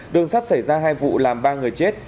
đường sắt xảy ra hai vụ làm ba người chết